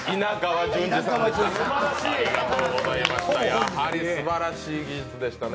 やはりすばらしい技術でしたね。